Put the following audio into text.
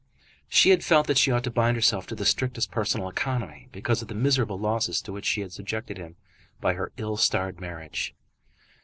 She had felt that she ought to bind herself to the strictest personal economy because of the miserable losses to which she had subjected him by her ill starred marriage.